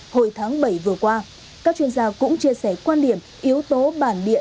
hồi tháng bảy vừa qua các chuyên gia cũng chia sẻ quan điểm yếu tố bản địa